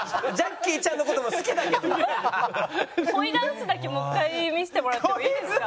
恋ダンスだけもう１回見せてもらってもいいですか？